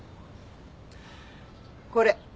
これ。